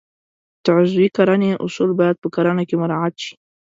د عضوي کرنې اصول باید په کرنه کې مراعات شي.